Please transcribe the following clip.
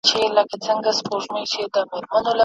پر اوربل به دي نازکي، باران وي، او زه به نه یم